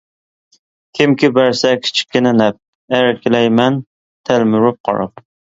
كىمكى بەرسە كىچىككىنە نەپ، ئەركىلەيمەن تەلمۈرۈپ قاراپ.